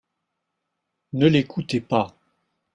Ne l'écoutez pas.